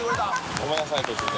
ごめんなさい突然。